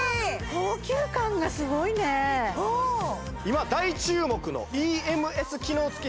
高級感がすごいねうんっ今大注目のＥＭＳ機能つき